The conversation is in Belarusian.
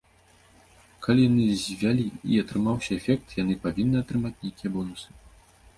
Калі яны звялі і атрымаўся эфект, яны павінны атрымаць нейкія бонусы.